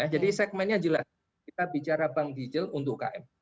jadi segmennya jelas kita bicara bank digital untuk ukm